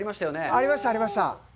ありました、ありました。